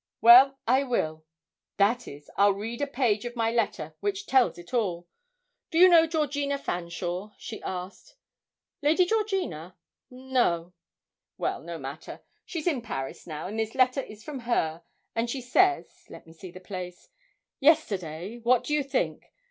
'Well, I will that is, I'll read a page of my letter, which tells it all. Do you know Georgina Fanshawe?' she asked. 'Lady Georgina? No.' 'Well, no matter; she's in Paris now, and this letter is from her, and she says let me see the place "Yesterday, what do you think?